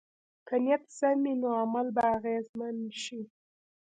که نیت سم وي، نو عمل به اغېزمن شي.